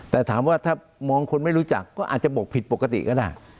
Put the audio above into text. แต่ถามว่าถ้ามองคนไม่รู้จักก็อาจจะบกผิดปกติก็ได้